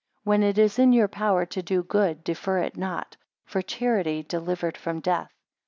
11 When it is in your power to do good defer it not, for charity delivered from death.